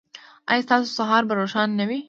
ایا ستاسو سهار به روښانه نه وي؟